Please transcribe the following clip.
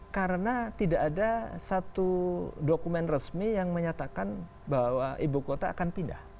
karena tidak ada satu dokumen resmi yang menyatakan bahwa ibu kota akan pindah